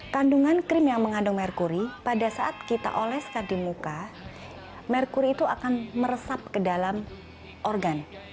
kandungan krim yang mengandung merkuri pada saat kita oleskan di muka merkuri itu akan meresap ke dalam organ